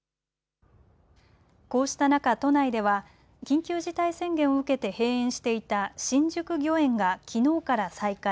こうした中、都内では緊急事態宣言を受けて閉園していた新宿御苑がきのうから再開。